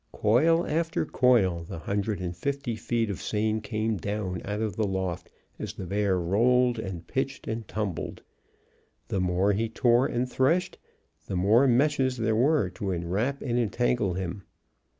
Coil after coil, the hundred and fifty feet of seine came down out of the loft as the bear rolled and pitched and tumbled. The more he tore and threshed, the more meshes there were to enwrap and entangle him.